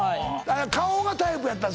顔がタイプやったの？